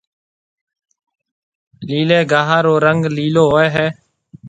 ليلي گاها رو رنگ ليلو هوئي هيَ۔